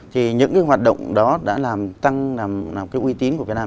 thì những cái hoạt động đó đã làm tăng làm cái uy tín của việt nam